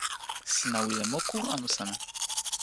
sina wile moku anu seme?